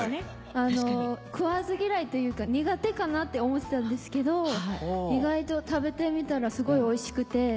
食わず嫌いというか苦手かなって思ってたんですけど意外と食べてみたらすごいおいしくて。